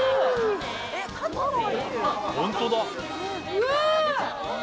うわ！